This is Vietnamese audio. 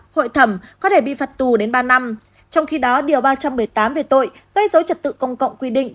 hội thẩm có thể bị phạt tù đến ba năm trong khi đó điều ba trăm một mươi tám về tội gây dối trật tự công cộng quy định